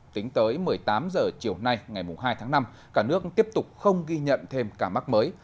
tính tới một mươi tám h chiều nay ngày hai tháng năm cả nước tiếp tục không ghi nhận thêm ca mắc mới